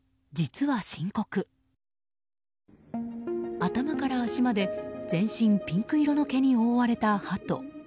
頭から足まで全身ピンク色の毛に覆われたハト。